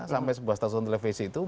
sampai sebuah stasiun televisi itu